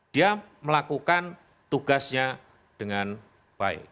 dia melakukan tugasnya dengan baik